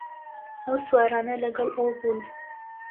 ئەو سوارانە لەگەڵ ئەو بوون